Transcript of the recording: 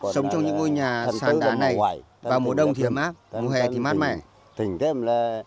sống trong những ngôi nhà sàn đá này vào mùa đông thì mát mùa hè thì mát mẻ